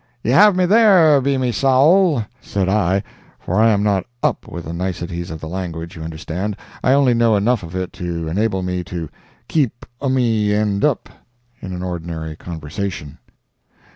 "Ye have me there, be me sowl!" said I, (for I am not "up" in the niceties of the language, you understand; I only know enough of it to enable me to "keep umy end up" in an ordinary conversation.)